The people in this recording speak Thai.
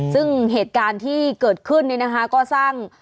ซึ่งเหตุการณ์ที่เกิดขึ้นเนี่ยนะคะก็สร้าง